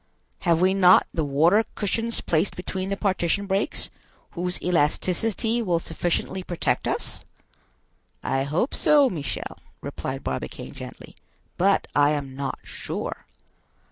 "Have we not the water cushions placed between the partition breaks, whose elasticity will sufficiently protect us?" "I hope so, Michel," replied Barbicane gently, "but I am not sure."